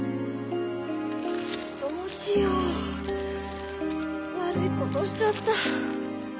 どうしよう悪いことしちゃった。